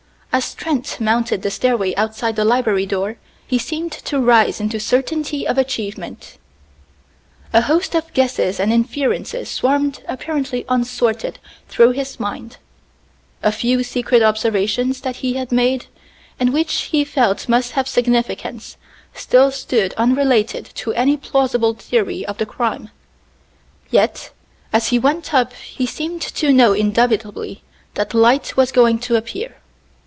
As Trent mounted the stairway outside the library door he seemed to rise into certainty of achievement. A host of guesses and inferences swarmed apparently unsorted through his mind; a few secret observations that he had made, and which he felt must have significance, still stood unrelated to any plausible theory of the crime; yet as he went up he seemed to know indubitably that light was going to appear.